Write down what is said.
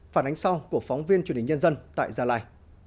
phản ánh sau của phóng viên truyền hình nhân dân tại gia lai